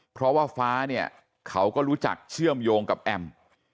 เพราะว่าฟ้าเนี่ยเขาก็รู้จักเชื่อมโยงกับแอม